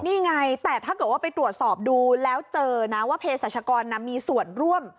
นี่ไงแต่ถ้าเกิดว่าไปตรวจสอบดูแล้วเจอนะว่าเพศรัชกรมีส่วนร่วม